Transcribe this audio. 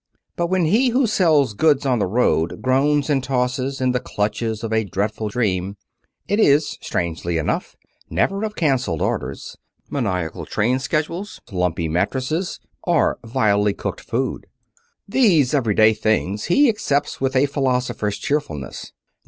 But when he who sells goods on the road groans and tosses in the clutches of a dreadful dream, it is, strangely enough, never of canceled orders, maniacal train schedules, lumpy mattresses, or vilely cooked food. These everyday things he accepts with a philosopher's cheerfulness.